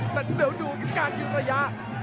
แต่เดินดูกันอยู่ตรงระยะ